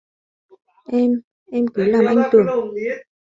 Em em cứ làm Anh tưởng